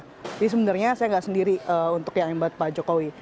jadi sebenarnya saya nggak sendiri untuk yang embat pak jokowi